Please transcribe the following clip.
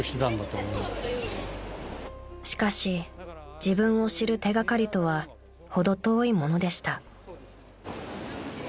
［しかし自分を知る手掛かりとは程遠いものでした］